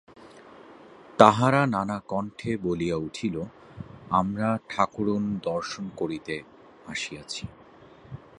তাহারা নানা কণ্ঠে বলিয়া উঠিল, আমরা ঠাকরুন দর্শন করতে আসিয়াছি।